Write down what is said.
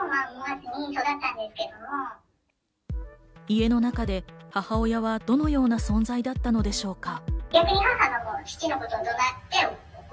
家の中で母親はどのような存在だったのでしょうか。